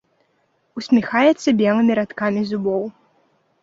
Усміхаецца белымі радкамі зубоў.